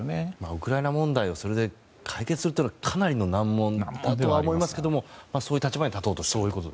ウクライナ問題をそれで解決するというのはかなりの難問だとは思いますけれどもそういう立場に立とうとしていると。